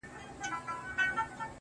د ستني سر چــي د ملا له دره ولـويـــږي ـ